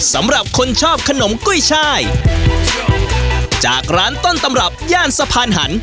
สำหรับคนชอบขนมกุ้ยช่ายจากร้านต้นตำรับย่านสะพานหัน